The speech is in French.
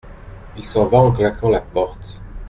Il s’en va en claquant la porte.